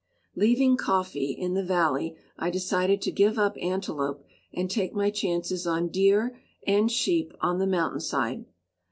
Leaving "Coffee" in the valley, I decided to give up antelope and take my chances on deer and sheep on the mountain side.